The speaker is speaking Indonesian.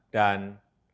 dan kepentingan dunia